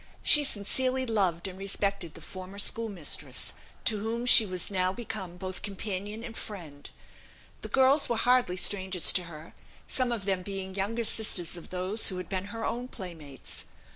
She sincerely loved and respected the former schoolmistress, to whom she was now become both companion and friend. The girls were hardly strangers to her, some of them being younger sisters of those who had been her own playmates.